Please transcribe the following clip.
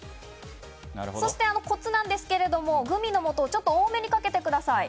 コツなんですが、グミのもとをちょっと多めにかけてください。